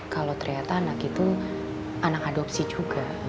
kalau ternyata anak itu anak adopsi juga